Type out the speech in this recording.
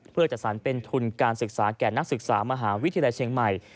เพื่อจัดสรรเป็นทุนการศึกษาแก่นักศึกษามหาวิทยาลัยเชียงใหม่